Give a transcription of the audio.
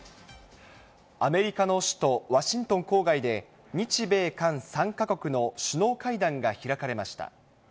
アメリカの首都ワシントン郊外で、日米韓３か国の首脳会談が開かれました。